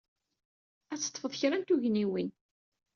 Ad d-teḍḍfed kra n tugniwin.